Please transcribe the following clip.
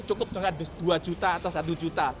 cukup dengan rp dua juta atau rp satu juta